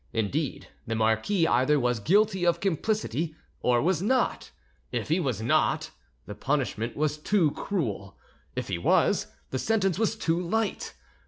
Indeed, the marquis either was guilty of complicity or was not: if he was not, the punishment was too cruel; if he was, the sentence was too light.